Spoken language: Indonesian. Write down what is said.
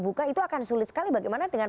buka itu akan sulit sekali bagaimana dengan